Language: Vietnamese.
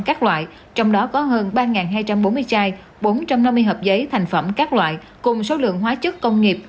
các loại trong đó có hơn ba hai trăm bốn mươi chai bốn trăm năm mươi hộp giấy thành phẩm các loại cùng số lượng hóa chất công nghiệp